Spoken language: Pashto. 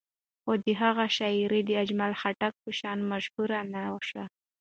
خو د هغه شاعري د اجمل خټک په شان مشهوره نه شوه.